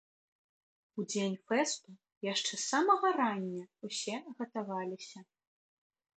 У дзень фэсту яшчэ з самага рання ўсе гатаваліся.